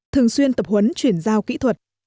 thường xuyên tập huấn chuyển giao kỹ thuật